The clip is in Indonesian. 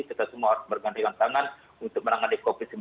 kita semua harus bergantian tangan untuk menangani covid sembilan belas